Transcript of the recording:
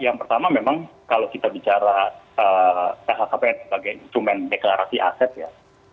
yang pertama memang kalau kita bicara lhkpn sebagai instrumen deklarasi aset ya